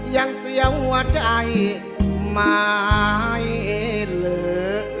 ยังเสี่ยวหัวใจไม่เหลือ